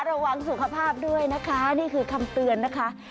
ระวังสุขภาพด้วยนะคะนี่คือคำเตือนนะคะ